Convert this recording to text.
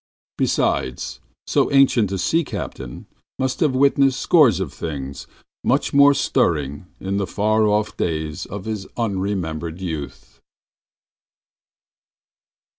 Besides, so ancient a sea captain must have witnessed scores of things much more stirring in the far off days of his unremembered youth.